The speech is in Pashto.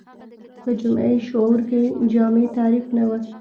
په جمعي شعور کې جامع تعریف نه و